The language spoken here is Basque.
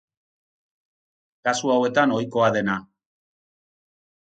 Kasu hauetan ohikoa dena.